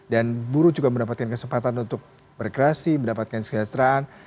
dan buru juga mendapatkan kesempatan untuk berkreasi mendapatkan sukses dan